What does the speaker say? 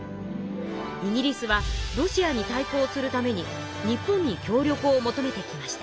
イギリスはロシアに対抗するために日本に協力を求めてきました。